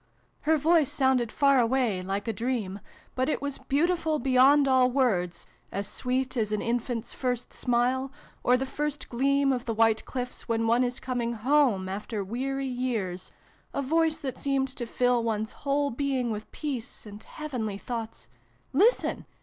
Her voice sounded far away, like a dream, but it was beautiful beyond all words as sweet as an infant's first smile, or the first gleam of the white, cliffs when one is coming home after weary years a voice that seemed to fill one's whole being with peace and heavenly thoughts Listen